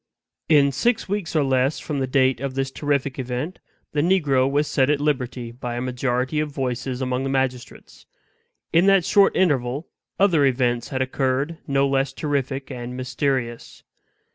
In six weeks or less from the date of this terrific event, the negro was set at liberty by a majority of voices among the magistrates. In that short interval other events had occurred no less terrific and mysterious.